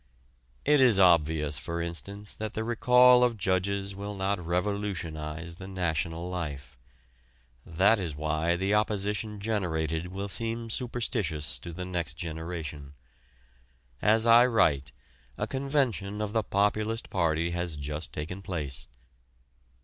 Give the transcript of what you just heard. It is obvious, for instance, that the recall of judges will not revolutionize the national life. That is why the opposition generated will seem superstitious to the next generation. As I write, a convention of the Populist Party has just taken place.